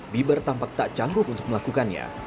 bieber tampak tak canggung untuk melakukannya